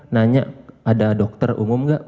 nanya ada dokter umum nggak